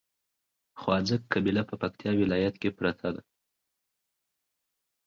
خواځک قبيله په پکتیا ولايت کې پراته دي